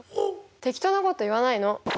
適当なこと言わないの。